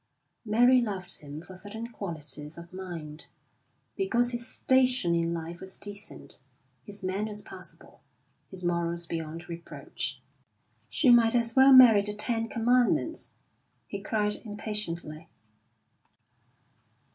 Mary loved him for certain qualities of mind, because his station in life was decent, his manners passable, his morals beyond reproach. "She might as well marry the Ten Commandments!" he cried impatiently.